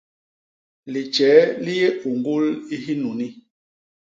Litjee li yé uñgul i hinuni.